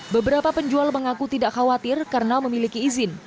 beberapa penjual mengaku tidak khawatir karena memiliki izin